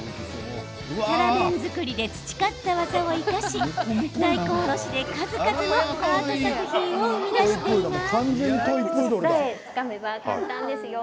キャラ弁作りで培った技を生かし大根おろしで数々のアート作品を生み出しています。